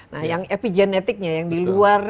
nah yang epigenetiknya yang di luar